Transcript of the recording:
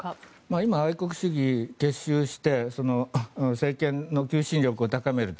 今、愛国主義を結集して政権の求心力を高めると。